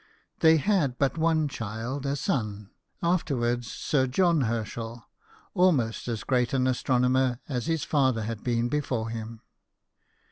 They had but H2 BIOGRAPHIES OF WORKING MEN. one child, a son, afterwards Sir John Herschel, almost as great an astronomer as his father had been before him.